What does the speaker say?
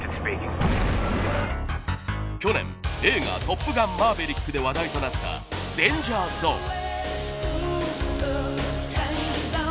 去年映画『トップガンマーヴェリック』で話題となった『ＤａｎｇｅｒＺｏｎｅ』。